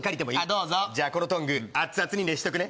どうぞじゃあこのトング熱々に熱しとくね